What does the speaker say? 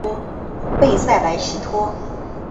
贝塞莱西托。